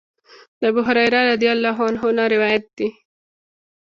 د ابوهريره رضی الله عنه نه روايت دی :